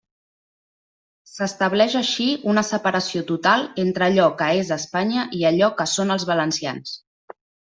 S'estableix així una separació total entre allò que és Espanya i allò que són els valencians.